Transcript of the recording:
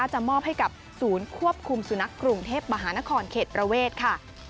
จะมอบให้กับศูนย์ควบคุมสุนัขกรุงเทพมหานครเขตประเวทค่ะ